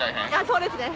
そうですね。